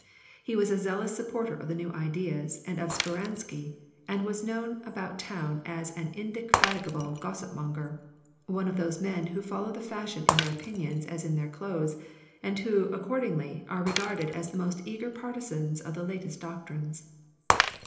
He was a zealous supporter of the new ideas, and of Speransky; and was known about town as an indefatigible gossip monger ; one of those men who follow the fashion in their opinions as in their clothes, and who, accordingly, are regarded as the most eager partisans of the latest doctrines.